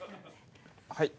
はい。